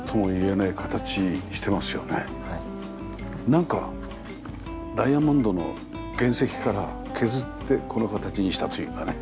なんかダイヤモンドの原石から削ってこの形にしたというかね。